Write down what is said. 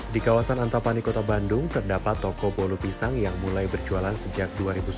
di kawasan antapani kota bandung terdapat toko bolu pisang yang mulai berjualan sejak dua ribu sepuluh